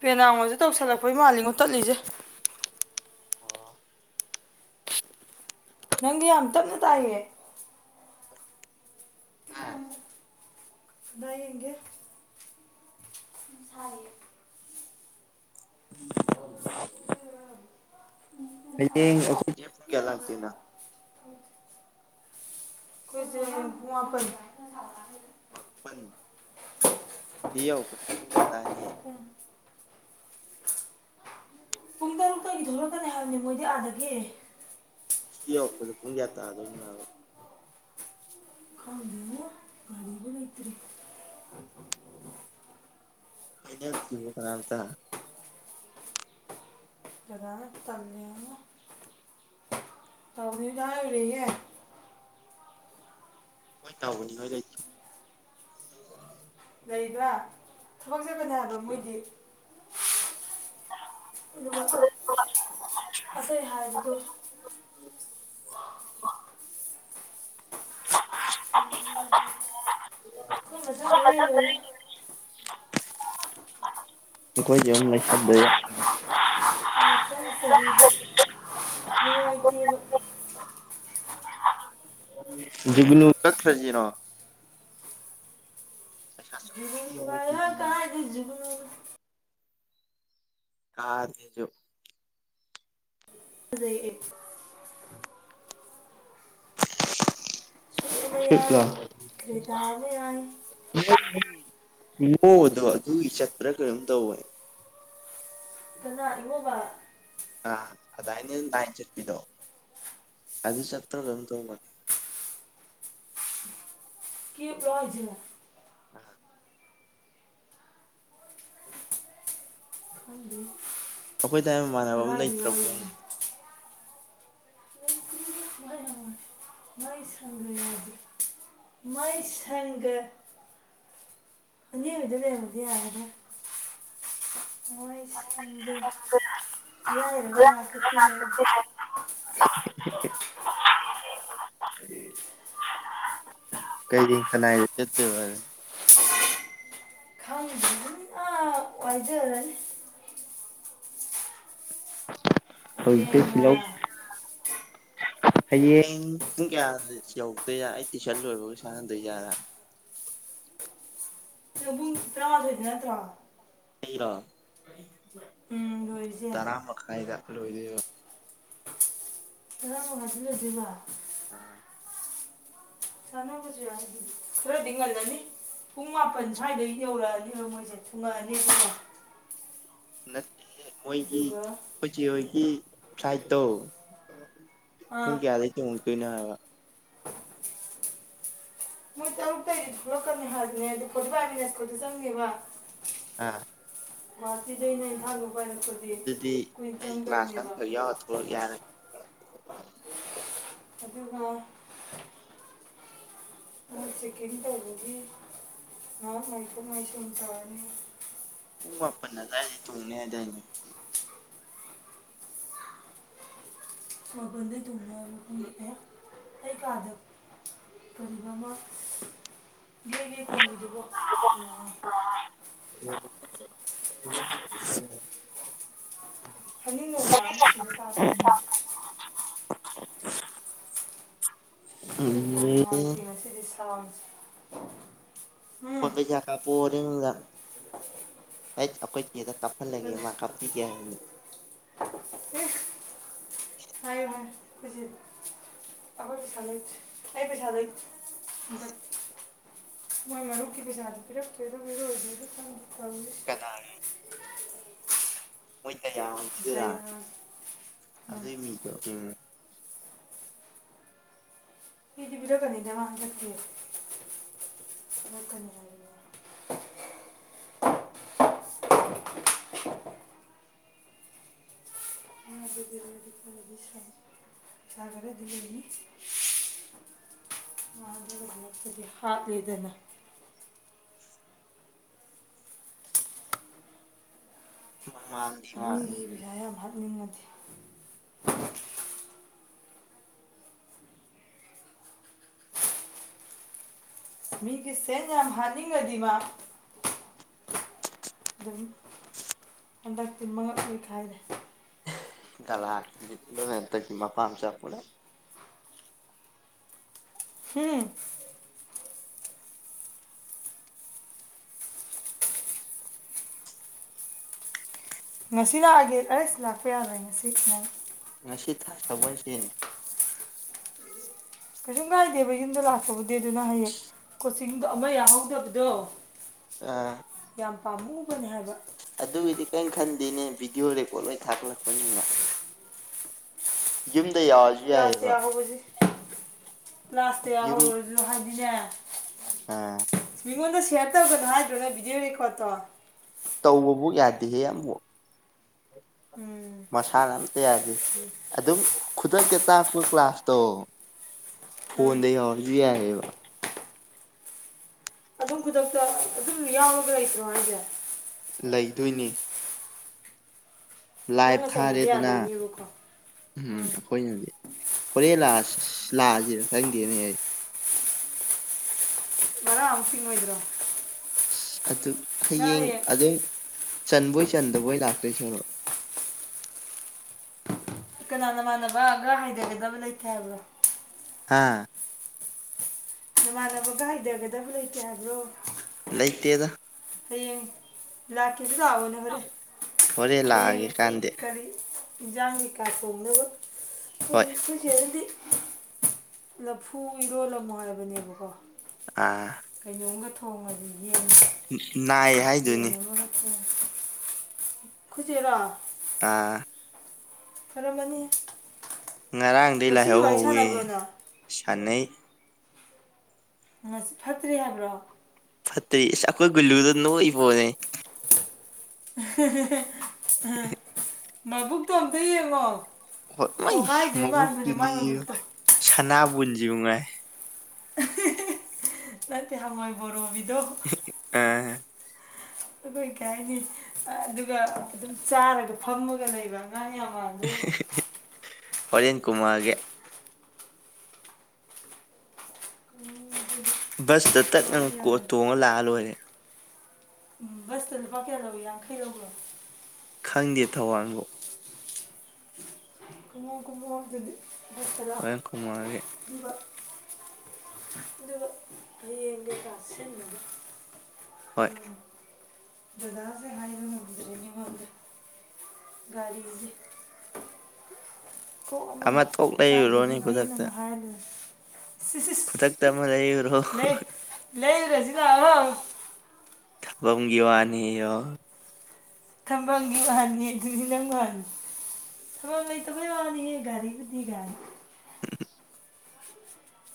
ꯄꯔꯦꯂꯥꯡ ꯍꯣꯏꯖꯨ ꯇꯧꯁꯜꯂꯛꯄꯩ ꯃꯥꯜꯂꯤꯉꯣ ꯇꯠꯂꯤꯖꯦ꯫ ꯑꯣ ꯅꯪꯗꯤ ꯌꯥꯝ ꯇꯞꯅ ꯇꯥꯏꯌꯦ꯫ ꯑꯥ [unintelligible] ꯀꯗꯥꯏ ꯌꯦꯡꯒꯦ ꯁꯥꯏꯌꯦ꯫ ꯍꯌꯦꯡ ꯑꯩꯈꯣꯏꯁꯦ ꯑꯩꯈꯣꯏꯖꯦ ꯄꯨꯡ ꯀꯌꯥꯗ ꯂꯥꯛꯇꯣꯏꯅꯣ꯫ ꯑꯩꯈꯣꯏꯖꯦ ꯍꯌꯦꯡ ꯄꯨꯡ ꯃꯥꯄꯟꯗ ꯫ ꯄꯟ ꯁꯤꯌꯧꯔꯛꯄꯗ ꯄꯨꯡ ꯀꯌꯥ ꯇꯥꯅꯤ꯫ ꯄꯨꯡ ꯇꯔꯨꯛꯇꯒꯤ ꯊꯣꯔꯛꯀꯅꯤ ꯅꯤ ꯍꯥꯏꯕꯅꯤ ꯃꯣꯏꯗꯤ ꯑꯥꯗꯒꯤ꯫ ꯁꯨ ꯌꯧꯔꯛꯄꯗ ꯄꯨꯡ ꯀꯌꯥ ꯇꯥꯗꯣꯏꯅꯣ ꯍꯥꯏꯕ꯫ ꯈꯪꯗꯦ ꯉꯣ ꯒꯥꯔꯤꯖꯨ ꯂꯩꯇꯦ꯫ ꯍꯥꯏꯅꯗꯔꯤꯕꯣ ꯀꯅꯥꯝꯇ꯫ ꯗꯗꯥꯅ ꯇꯝꯃꯦꯉꯣ ꯅꯥꯎꯕꯤ ꯍꯣꯏꯗ ꯍꯥꯏꯒꯔꯦꯌꯦ꯫ ꯃꯣꯏ ꯇꯧꯕꯅꯤ ꯅꯣꯏ ꯂꯩꯇꯔꯣ꯫ ꯂꯩꯕ ꯊꯕꯛꯆꯠꯀꯅꯤ ꯍꯥꯏꯕ ꯃꯣꯏꯗꯤ꯫ ꯑꯗꯨꯒ ꯑꯇꯩ ꯍꯥꯏꯕꯗꯣ꯫ [unintelligible] ꯇꯨꯝꯕ ꯆꯪꯒꯔꯦ ꯂꯣꯏꯔꯦ꯫ ꯑꯩꯈꯣꯏꯖꯨ ꯑꯃꯝ ꯂꯩꯁꯟꯗ ꯌꯥꯔ ꯔꯣꯏ꯫ ꯃꯊꯪ ꯆꯍꯤꯗ [unintelligible] ꯖꯨꯒꯨꯅꯨ ꯀꯛꯈꯔꯖꯦꯔꯣ꯫ ꯕꯩꯁꯥ [unintelligible] ꯖꯨꯒꯨꯅꯨ꯫ [unintelligible] ꯖꯨꯒꯨꯅꯨ꯫ ꯀꯥꯔꯅꯤꯖꯨ꯫ ꯐꯖꯩꯌꯦ꯫ ꯁꯨꯏꯞꯂꯣ꯫ [unintelligible] ꯏꯃꯣꯗꯣ ꯑꯗꯨꯒꯤ ꯆꯠꯄ꯭ꯔ ꯀꯩꯅꯣ ꯇꯧꯋꯦ꯫ ꯀꯅꯥ ꯏꯃꯣꯕ꯫ ꯑ ꯑꯗꯥꯏꯅ ꯂꯥꯏꯟ ꯆꯠꯄꯤꯗꯣ ꯑꯗꯨ ꯆꯠꯄꯔ ꯀꯩꯅꯣꯝꯇꯧꯋꯦ ꯃꯥꯗꯣ꯫ ꯀꯦꯞꯂꯣ ꯍꯥꯏꯖꯦ꯫ ꯑ꯫ ꯈꯪꯗꯦ꯫ ꯑꯩꯈꯣꯏ ꯗꯥꯏ ꯃꯃꯥꯟꯅꯕ ꯑꯃ ꯂꯩꯇ꯭ꯔꯕꯣꯏꯌꯦ꯫ ꯃꯥꯏꯁꯪꯒ ꯌꯥꯗꯦ ꯃꯣꯏ ꯁꯪꯒ ꯏꯅꯦ ꯍꯣꯏꯗ ꯂꯩꯔꯝꯕꯗꯤ ꯌꯥꯒꯗꯕꯅꯤ ꯃꯣꯏ꯫ ꯁꯪꯒ ꯂꯥꯏꯔꯕ ꯉꯥꯛꯇ ꯇꯤꯟꯅꯔꯦ꯫ [unintelligible] ꯀꯩꯒꯤ ꯀꯅꯥꯏꯗ ꯆꯠꯇꯣꯏꯕ ꯑꯗꯨꯗꯤ꯫ ꯈꯪꯗꯦꯗꯨꯅꯤ ꯑ꯫ ꯋꯥꯏꯖꯔꯅꯤ꯫ [unintelligible] ꯍꯌꯦꯡ ꯄꯨꯡ ꯀꯌꯥ ꯌꯧꯔꯛꯇꯣꯏꯖ ꯑꯩ ꯇꯨꯏꯁꯟ ꯂꯣꯏꯕꯒ ꯉꯥꯡꯗꯣꯏꯖꯥꯔ꯫ ꯇ꯭ꯔꯥꯃꯊꯣꯏꯗ ꯅꯠꯇ꯭ꯔꯣ꯫ ꯑꯩꯔꯣ [unintelligible] ꯇꯔꯥ ꯃꯈꯥꯏꯗ ꯂꯣꯏꯗꯣꯏꯕ꯫ ꯇꯔꯥ ꯃꯉꯥꯗ ꯂꯣꯏꯗꯣꯏꯕ꯫ [unintelligible] ꯁꯅꯕꯁꯨ ꯌꯥꯏ ꯈꯔꯗꯤ ꯉꯂꯝꯅꯤ꯫ ꯄꯨꯡ ꯃꯥꯄꯟ ꯁ꯭ꯋꯥꯏꯗꯩ ꯌꯧꯔꯛꯑꯅꯦꯕ ꯃꯣꯏꯁꯦ ꯊꯨꯡꯉꯛꯑꯅꯤ [unintelligible] ꯅꯠꯇꯦ ꯍꯦ ꯃꯣꯏꯒꯤ ꯑꯗꯨꯒ ꯑꯩꯈꯣꯏꯆꯦ ꯍꯣꯏꯒꯤ ꯐꯂꯥꯏꯠꯇꯣ ꯄꯨꯛ ꯑꯥ ꯀꯌꯥꯗ [unintelligible] ꯍꯥꯏꯕ꯫ ꯃꯣꯏ ꯇꯔꯨꯛꯛꯇꯒꯤ ꯊꯣꯛꯂꯛꯀꯅꯤ ꯍꯥꯏꯕꯅꯦ ꯑꯗꯨ ꯈꯣꯠꯇ ꯄꯥꯏꯃꯤꯅꯦꯠ ꯈꯣꯠꯇ ꯆꯪꯒꯦꯕ ꯑꯥ [unintelligible] ꯑꯗꯨꯗꯤ ꯀꯨꯏꯅ ꯑꯩ ꯀ꯭ꯂꯥꯁ ꯆꯪꯗꯕꯅꯦꯕ ꯑꯃꯈꯛ ꯌꯥꯎꯔ ꯊꯣꯛꯂꯛ ꯌꯥꯔꯦ꯫ ꯑꯗꯨꯒ ꯅꯣꯏ ꯆꯦꯀꯤꯡ ꯇꯧꯕꯒꯤ ꯉꯩꯍꯥꯛ ꯉꯥꯏꯊꯣꯛ ꯉꯥꯏꯁꯤꯟ ꯇꯧꯔꯅꯤ꯫ ꯄꯨꯡ ꯃꯥꯄꯟ ꯑꯗꯨꯋꯥꯏꯗ ꯊꯨꯡꯅꯦ ꯍꯥꯏꯗꯅꯦ꯫ ꯃꯄꯥꯟꯗꯩ ꯊꯣꯡꯅꯦ [unintelligible] ꯀꯩ ꯀꯥꯗ ꯀꯔꯤꯕ ꯑꯃ ꯒꯦ ꯒꯦ ꯈꯣꯡꯕꯤꯗꯨꯕꯣ ꯑ [unintelligible] ꯍꯔꯤꯅꯣꯡꯅꯥꯡ ꯑꯃ ꯁꯤꯔ ꯇꯥ ꯂꯩꯔꯝꯃꯦ꯫ ꯅꯨꯡꯉꯥꯏꯇꯦ ꯉꯁꯤꯗꯤ ꯁꯥꯎꯟꯁꯦ ꯎꯝ ꯐꯣꯟ ꯄꯩꯁꯥ ꯀꯥꯞꯄꯣꯗ ꯍꯩꯠ ꯑꯩꯈꯣꯏ ꯆꯦꯗ ꯀꯥꯞꯍꯜꯂꯒꯦ ꯃꯥ ꯀꯥꯞ [unintelligible] [unintelligible] ꯍꯥꯏ ꯍꯥꯏ ꯍꯧꯖꯤꯛ ꯑꯩꯈꯣꯏ ꯄꯩꯁꯥ ꯑꯩ ꯄꯩꯁꯥ ꯂꯩꯇꯦ꯫ [unintelligible] ꯃꯣꯏ ꯃꯔꯨꯞꯀꯤ ꯄꯩꯁꯥꯗꯣ ꯄꯤꯔꯛꯇꯣꯏꯕ ꯄꯤꯔꯛꯑꯣꯏꯗꯣꯏꯕ ꯑꯗꯨ ꯈꯪꯗꯦ꯫ ꯀꯅꯥꯒ ꯃꯣꯏ ꯀꯌꯥꯈꯤꯗꯨꯔꯥ ꯗꯌꯥꯁꯦ ꯎꯝ ꯑꯗꯨ ꯃꯤꯗꯣ ꯎꯝ ꯄꯤꯗꯤ ꯄꯤꯔꯛꯀꯅꯤꯗ ꯃꯥ ꯍꯟꯗꯛꯇꯤ [unintelligible] ꯃꯒꯗꯤ [unintelligible] [unintelligible] ꯍꯥꯠꯂꯦꯗꯅ꯫ ꯃꯃꯥꯡꯒꯤ ꯃꯥ ꯃꯤꯒꯤ ꯎꯝ ꯄꯩꯁꯥ ꯌꯥꯝ ꯍꯥꯠꯅꯤꯡꯉꯗꯤ꯫ ꯃꯤꯒꯤ ꯁꯦꯟ ꯌꯥꯝ ꯍꯥꯅꯤꯡꯉꯗꯤ ꯃꯥ ꯑꯗꯨꯝ ꯍꯟꯗꯛꯇꯤ ꯃꯉꯛ ꯂꯩꯈꯥꯏꯔꯦ꯫ ꯒꯂꯥ ꯅꯤꯛ [unintelligible] ꯃꯄꯥ ꯃꯆꯥ ꯄꯨꯂꯞ꯫ ꯍꯨꯡ ꯉꯁꯤ ꯂꯥꯛꯑꯒꯦ ꯑꯩꯁ ꯂꯥꯛꯄ ꯌꯥꯔꯣꯏ ꯉꯁꯤ ꯅꯪ ꯉꯁꯤ ꯊ ꯁꯒꯣꯟꯁꯦꯟ ꯀꯩꯁꯨ ꯀꯥꯏꯗꯦꯕ ꯌꯨꯝꯗ ꯂꯥꯛꯄꯕꯨꯗꯤ ꯑꯗꯨꯅ ꯍꯌꯦꯡ ꯀꯣꯆꯤꯡꯗꯣ ꯑꯃ ꯌꯥꯍꯧꯗꯕꯗꯣ ꯑꯥ ꯌꯥꯝ ꯄꯥꯝꯃꯨꯕꯅꯦ ꯍꯥꯏꯕ꯫ ꯑꯗꯨꯒꯤꯗꯤ ꯀꯔꯤꯝ ꯈꯟꯗꯦꯅꯦ ꯚꯤꯗꯤꯑꯣ ꯔꯦꯀꯣꯔꯠ ꯂꯣꯏ ꯊꯥꯒꯠꯂꯛꯄꯅꯤꯅ꯫ ꯌꯨꯝꯗ ꯌꯥ ꯀꯂꯥꯁ ꯌꯥꯍꯧꯕꯖꯤ ꯀꯂꯥꯁꯇ ꯌꯥꯍꯧꯔꯁꯨ ꯍꯥꯏꯗꯤꯅꯦ ꯑ ꯃꯤꯉꯣꯟꯗ ꯁꯤꯌꯔ ꯇꯧꯒꯅꯣ ꯍꯥꯏꯗ꯭ꯔꯣꯅꯦ ꯚꯤꯗꯤꯑꯣ ꯔꯦꯀꯣꯔꯠꯇꯣ ꯇꯧꯕꯕꯨꯛ ꯌꯥꯗꯦꯍꯦ ꯑꯃꯕꯨꯛ꯫ ꯎꯝ ꯃꯁꯥꯅ ꯑꯝꯇ ꯌꯥꯗꯦ ꯑꯗꯨꯝ ꯈꯨꯗꯛꯇ ꯇꯥꯛꯄ ꯀ꯭ꯂꯥꯁꯇꯣ ꯎꯝ ꯐꯣꯟꯗ ꯌꯥꯎꯔꯖꯨ ꯌꯥꯏꯌꯦꯕ꯫ ꯑꯗꯨꯝ ꯈꯨꯗꯛꯇ [unintelligible] ꯌꯥꯎꯒ ꯂꯩꯇꯔꯣ ꯍꯥꯏꯖꯦ꯫ ꯂꯩꯗꯣꯏꯅꯤ꯫ ꯂꯥꯏꯚ ꯅꯪꯅ ꯆꯪꯕꯗꯤ ꯊꯥꯔꯦꯗꯅ ꯌꯥꯗꯣꯏꯅꯦꯕꯀꯣ ꯎꯝ ꯑꯩꯈꯣꯏꯅꯗꯤ ꯍꯣꯔꯦꯟ ꯂꯥꯛꯑ ꯂꯥꯛꯑꯁꯤꯔ ꯈꯪꯗꯦꯅꯦ ꯑꯩ ꯎꯝ [inaudible] ꯃ ꯑꯃꯁꯤꯡ ꯑꯣꯏꯒ꯭ꯔꯣ ꯑꯗꯨ ꯍꯌꯦꯡ ꯑꯗꯨꯝ ꯆꯟꯕꯣꯏ ꯆꯟꯗꯕꯣꯏ ꯂꯥꯛꯇꯣꯏꯁꯔꯣ ꯀꯅꯥꯅꯃꯥꯟꯅꯕꯒ ꯍꯥꯏꯊꯒꯗꯕ ꯂꯩꯇꯦ ꯍꯥꯏꯕꯗꯣ ꯍꯥꯥ ꯅꯃꯥꯟꯅꯕꯒ ꯍꯩꯊꯒꯗꯕ ꯂꯩꯇꯦ ꯍꯥꯏꯕ꯭ꯔꯣ ꯂꯩꯇꯦꯗ ꯍꯌꯦꯡ ꯂꯥꯛꯀꯦꯗ ꯂꯥꯛꯑꯑꯣꯅꯦ ꯍꯣꯔꯦꯟ ꯍꯣꯔꯦꯟ ꯍꯌꯦꯡ ꯂꯥꯛꯑꯒꯦ ꯀꯥꯟꯗꯤ ꯀꯔꯤ ꯖꯪꯒꯤꯀꯥ ꯁꯣꯡꯅꯕ ꯍꯣꯏ ꯐꯁ ꯑꯗꯨꯗꯤ ꯂꯐꯨ ꯏꯔꯣꯜꯂꯝꯨꯣ ꯍꯥꯏꯕꯅꯦꯕꯀꯣ ꯑꯥ ꯀꯩꯅꯣꯝꯒ ꯊꯣꯡꯉꯗꯤ ꯌꯦꯡꯉ ꯅꯥꯏꯌꯦ ꯍꯥꯏꯗꯨꯣꯏꯅꯤ ꯈꯆꯦꯔꯥ ꯇ ꯈꯔꯝꯝꯕꯅꯤ ꯉꯔꯥꯡꯗꯒꯤꯩ ꯂꯥꯏꯍꯧ ꯍꯧꯧꯏꯤ ꯁꯥꯟꯅꯕ꯭ꯔꯣ ꯅꯪ ꯁꯥꯟꯅꯩ ꯉꯁꯤ ꯐꯠꯇ꯭ꯔꯦ ꯍꯥꯏꯕ꯭ꯔꯣ ꯐꯠꯇ ꯑꯩꯈꯣꯏ ꯒꯜꯂꯨꯗꯅ ꯍꯣꯏꯕꯣꯅꯦꯦ ꯎ ꯃꯥꯏꯕꯨꯛꯇꯣ ꯑꯝꯇ ꯌꯦꯡꯉꯣ ꯍꯠ ꯃꯣꯏ ꯄꯣꯛꯈꯥꯏꯗꯣꯏ ꯃꯥꯟꯕꯅꯦ ꯃꯥꯏ ꯃꯕꯨꯛꯇꯨꯗꯤ ꯃꯕꯨꯛꯇꯣ ꯁꯅꯥꯕꯨꯟꯁꯤꯕꯨ ꯉꯥꯏ ꯅꯠꯇꯦ ꯍꯉꯣꯏ ꯣꯔꯣꯕꯤꯗꯣ ꯑꯦ ꯑꯗꯨ ꯀꯩ ꯍꯥꯏꯅꯤ ꯑꯗꯨꯒ ꯑꯗꯨꯝ ꯆꯥꯔꯒ ꯐꯝꯃꯒ ꯂꯩꯕ ꯑꯉꯥꯡ ꯌꯥꯝꯃ ꯍꯔꯟ ꯀꯨꯃꯥꯔꯒꯦ ꯕꯁꯇ ꯇꯛꯅ ꯉꯥꯎꯕ ꯌꯥꯔꯗꯤ ꯇꯣꯡꯉꯒ ꯂꯥꯛꯑ ꯂꯣꯏꯔꯦ ꯇ ꯂꯨꯄꯥ ꯀꯌꯥꯔꯒ ꯌꯥꯡꯈꯩ ꯂꯧꯔꯣ ꯈꯪꯗꯦ ꯊꯋꯥꯡꯕꯣ ꯀꯨꯝꯃꯨ ꯀꯃꯨ ꯇꯔꯥ ꯍꯣꯔꯦꯟ ꯀꯨꯝꯃꯛꯑꯒꯦ ꯕ ꯑꯗꯨꯒ ꯍꯌꯦꯡ ꯀꯩꯀꯥ ꯁꯤꯕꯕ ꯍꯣꯏ ꯍ ꯗꯗꯥꯁ ꯍꯥꯏꯅꯗꯅꯤꯗ ꯒꯥꯔꯤ ꯀꯣꯛ ꯑꯃ ꯊꯣꯛ ꯂꯩꯔꯨꯔꯣꯅꯦ ꯁ꯭ꯋꯥꯏꯗꯒꯤ ꯚꯦꯟ ꯈꯨꯗꯛꯇ ꯑꯃ ꯍꯥꯏꯔꯂꯦ ꯁꯤ ꯈꯨꯗꯛꯇ ꯑꯃ ꯂꯩ ꯌꯨꯔꯣ ꯂꯩꯔꯦꯁꯤꯗ ꯊꯪ ꯒꯤꯋꯥꯅꯤ ꯌ ꯊꯝꯕꯥꯜꯒꯤ ꯋꯥꯍꯟꯅꯤ ꯑꯗꯨꯗꯤ ꯅꯪ ꯋꯥꯍꯅꯤ ꯊꯇꯕꯨꯣꯏ ꯑꯅꯤꯒꯒꯥꯔꯤꯕꯨꯗꯤꯒꯒꯥꯅꯤ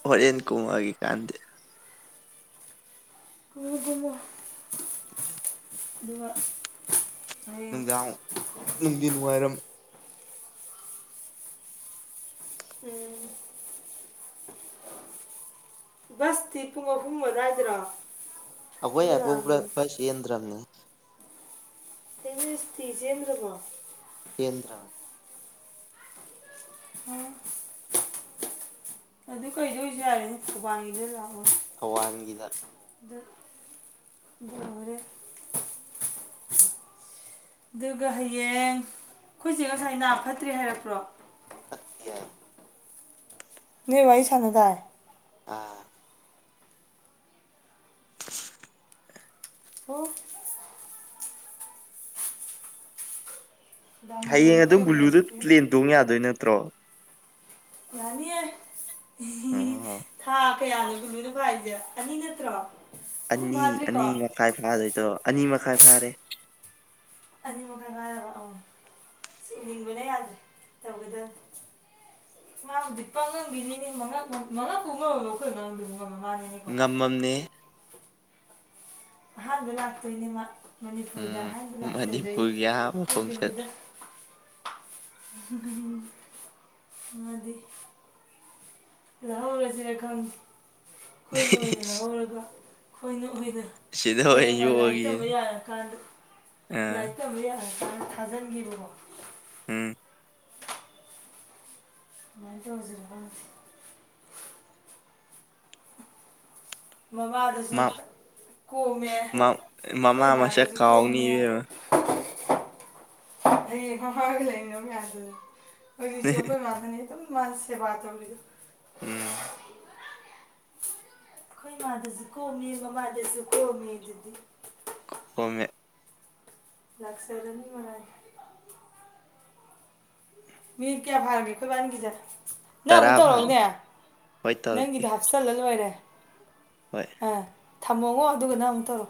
ꯍꯣꯔꯦꯟ ꯀꯨꯝꯃꯒꯤ ꯀꯥꯟꯗ ꯔꯨꯗꯤꯃꯣ ꯎ ꯑꯗꯨꯒ ꯍꯌꯦꯡ ꯅꯨꯡꯗ ꯅꯨꯡꯗꯤ ꯅꯨꯡꯉꯥꯏꯔꯝ ꯎꯝ [inaudible] ꯕꯁꯇꯤ ꯄꯨꯡ ꯑꯍꯨꯝ ꯑꯃꯏꯗ꯭ꯔꯥ ꯑꯩꯈꯣꯏ ꯍꯥꯏꯕꯕ꯭ꯔ ꯐ ꯌꯦꯟꯗ꯭ꯔꯕꯅꯦ ꯇꯇꯤꯖꯦꯟꯗ꯭ꯔꯃꯣ ꯀꯦꯟꯗ꯭ꯔꯅꯤ ꯎꯝ ꯑꯗꯨ ꯀꯩꯗ ꯑꯣꯏꯁꯨ ꯌꯥꯔꯦꯅꯦ ꯊꯧꯕꯥꯜꯒꯤꯗ ꯂꯥꯛꯑꯣ ꯊꯋꯥꯟꯒꯤꯗ ꯗ ꯔꯦ ꯑꯗꯨꯒ ꯍꯌꯦꯡ ꯑꯩꯈꯣꯏꯁꯦ ꯉꯁꯥꯏ ꯅꯥ ꯐꯠꯇ꯭ꯔꯦ ꯍꯥꯏꯔꯛꯄ꯭ꯔꯣ ꯑ ꯅ ꯚ ꯑꯩ ꯁꯥꯟꯅ ꯇꯥꯏ ꯑꯥ [unintelligible] ꯑꯣ ꯍꯌꯦꯡ ꯗꯥꯝꯖꯣꯟ ꯑꯗꯨꯝ ꯐꯣꯟ ꯒꯨꯂꯨꯗꯨ ꯇꯧꯔꯛꯇꯦ ꯄ꯭ꯂꯦꯟ ꯇꯣꯡ ꯌꯥꯗꯣꯏ ꯅꯠꯇ꯭ꯔꯣ ꯌꯥꯅꯤꯑꯦ꯫ ꯑꯣ꯫ ꯊꯥ ꯀꯌꯥꯅꯣ [inaudible] ꯍꯥꯏꯁꯦ ꯑꯅꯤ ꯅꯠꯇ꯭ꯔꯣ꯫ ꯑꯍꯨꯝ ꯑꯅꯤ ꯑꯅꯤ ꯐꯥꯗ꯭ꯔꯤꯀꯣ ꯃꯈꯥꯏ ꯐꯥꯗꯣꯏꯗꯣ ꯑꯅꯤ ꯃꯈꯥꯏ ꯐꯥꯔꯦ꯫ ꯑꯅꯤꯃꯛꯛꯇ ꯉꯥꯏ ꯑꯪ ꯁꯤꯅꯤꯡꯕꯅ ꯌꯥꯗ꯭ꯔꯦ ꯇꯧꯒꯗꯕ꯫ [inaudible] ꯉꯝꯃꯝꯅꯦ꯫ ꯑꯍꯥꯟꯕ ꯂꯥꯛꯇꯣꯏꯅꯤ ꯃꯥ꯫ ꯃꯅꯤꯄꯨꯔꯗ ꯎꯝ ꯑꯍꯥꯟꯕ ꯂꯥꯛꯆꯗꯣꯏꯅꯤ ꯃꯅꯤꯄꯨꯔꯒꯤ ꯑꯍꯥꯟꯕ ꯈꯣꯡꯆꯠ ꯕꯦꯕꯤꯗꫭ꯫ [inaudible] ꯂꯧꯍꯧꯔꯁꯤꯔꯥ ꯈꯪ ꯑꯩꯈꯣꯏꯅ ꯑꯣꯏꯅ ꯂꯧꯍꯧꯔꯒ ꯑꯩꯈꯣꯏꯅ ꯑꯣꯏꯅ ꯁꯤꯗ ꯑꯣꯏꯅ ꯍꯌꯦꯡꯋꯥꯏ ꯂꯥꯏꯔꯤꯛ ꯌꯣꯛꯑꯒꯦ ꯇꯝꯕ ꯌꯥꯔ ꯀꯥꯟꯗ ꯑꯥ ꯂꯥꯏꯔꯤꯛ ꯇꯝꯕ ꯌꯥꯔꯀꯥꯟꯗ ꯊꯥꯖꯟꯒꯤꯕꯀꫭ꯫ ꯎꯝ꯫ ꯑꯃꯥꯏꯅ ꯇꯔꯧꯖꯤꯔ ꯈꯪꯗꯦ꯫ ꯃꯃꯥꯗꯁꯨ ꯃꯥ ꯀꯣꯝꯃꯦ ꯃꯥ ꯑꯩꯈꯣꯏ ꯃꯃꯥ ꯃꯁꯛ ꯏꯃꯥꯗꯁꯨ ꯀꯥꯎꯅꯤ ꯀꯣꯝꯃꯦ꯫ ꯏꯕꯦꯝꯃ [unintelligible] [inaudible] ꯍꯧꯖꯤꯛꯁꯨ ꯑꯩꯈꯣꯏ ꯃꯥꯗꯅꯤ ꯑꯗꯨꯝ ꯃꯥꯅ ꯁꯦꯕꯥ ꯇꯧꯔꯤꯗꯣ꯫ ꯎꯝ꯫ ꯑꯩꯈꯣꯏ ꯃꯥꯗꯁꯨ ꯀꯣꯝꯃꯦ ꯃꯃꯥꯗꯁꯨ ꯀꯣꯝꯃꯦ ꯑꯗꯨꯗꯤ꯫ [inaudible] ꯂꯥꯛꯆꯔꯅꯤ ꯃꯔꯥꯏ꯫ ꯃꯤ ꯀꯌꯥ ꯐꯥꯔꯒꯦ ꯑꯩꯈꯣꯏ ꯏꯕꯥꯅꯤꯒꯤꯁꯦ ꯅꯪ ꯇꯔꯥ ꯑꯃꯨꯛ ꯐꯥꯔꯦ ꯇꯧꯔꯛꯎꯅꯦ ꯍꯣꯏ ꯇꯧꯔꯛꯀꯦ ꯅꯪꯒꯤꯗꫭ ꯍꯥꯞ ꯆꯜꯂ ꯂꯣꯏꯔꯦ꯫ ꯍꯣꯏ꯫ ꯑꯥ ꯊꯝꯃꯣꯉꯣ ꯑꯗꯨꯒ ꯅꯪ ꯑꯃꯨꯛ ꯇꯧꯔꯣ꯫